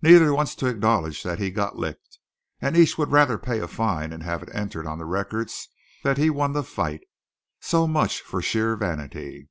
Neither wants to acknowledge he got licked; and each would rather pay a fine and have it entered on the records that he won the fight. So much for sheer vanity!"